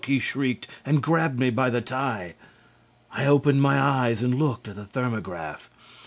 he shrieked and grabbed me by the tie. I opened my eyes and looked at the thermograph.